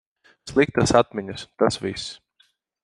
Sliktas atmiņas, tas viss.